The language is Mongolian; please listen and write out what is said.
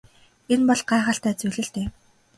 Энэ бол гайхалтай зүйл л дээ.